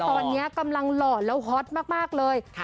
ตอนเนี้ยกำลังหล่อแล้วฮอตมากมากเลยค่ะ